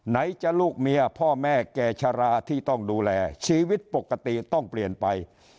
ไหนจะลูกเมียพ่อแม่แก่ชะลาที่ต้องดูแลชีวิตปกติต้องเปลี่ยนไป